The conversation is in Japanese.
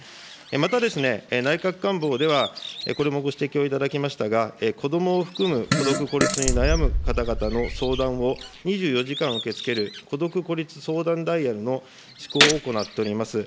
また、内閣官房では、これもご指摘をいただきましたが、子どもを含む孤独・孤立に悩む方々の相談を２４時間受け付ける、孤独・孤立相談ダイヤルの施行を行っております。